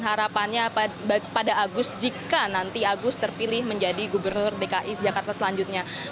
harapannya pada agus jika nanti agus terpilih menjadi gubernur dki jakarta selanjutnya